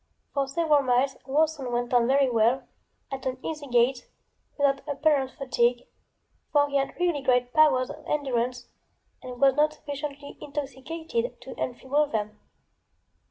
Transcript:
For several miles Worson went on very well, at an easy gait, without apparent fatigue, for he had really great powers of endurance and was not sufficiently intoxicated to enfeeble them.